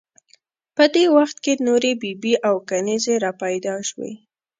په دې وخت کې نورې بي بي او کنیزې را پیدا شوې.